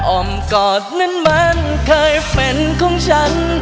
อมกอดนั้นมันเคยเป็นของฉัน